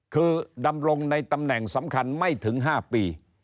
คือดำรงในตำแหน่งสำคัญไม่ถึง๕ปี